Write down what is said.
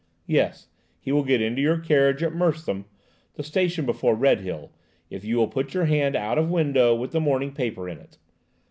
"Yes; he will get into your carriage at Merstham–the station before Redhill–if you will put your hand out of window, with the morning paper in it.